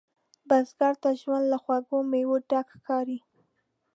بزګر ته ژوند له خوږو میوو ډک ښکاري